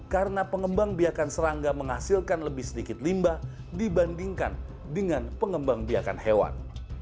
karena pengembang biakan serangga menghasilkan lebih sedikit limbah dibandingkan dengan pengembang biakan hewan